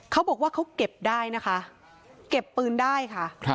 เขาบอกว่าเขาเก็บได้นะคะเก็บปืนได้ค่ะ